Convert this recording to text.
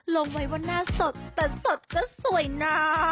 ลงไว้ว่าหน้าสดแต่สดก็สวยนะ